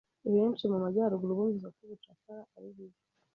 Benshi mu majyaruguru bumvise ko ubucakara ari bibi.